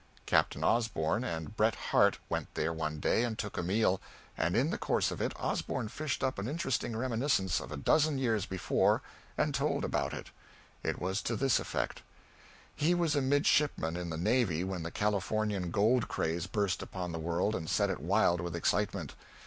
Captain Osborn and Bret Harte went there one day and took a meal, and in the course of it Osborn fished up an interesting reminiscence of a dozen years before and told about it. It was to this effect: He was a midshipman in the navy when the Californian gold craze burst upon the world and set it wild with excitement.